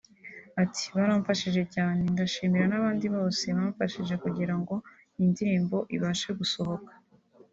Ati “Baramfashije cyaneee ndashimira n’abandi bose bose bamfashije kugira ngo iyi ndirimbo ibashe gusohoka